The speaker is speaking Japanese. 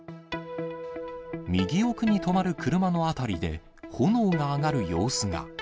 右奥に止まる車の辺りで、炎が上がる様子が。